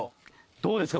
どうですか？